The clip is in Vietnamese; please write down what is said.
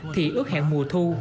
thì ước hẹn mùa thu